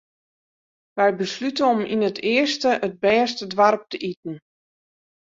Wy beslute om yn it earste it bêste doarp te iten.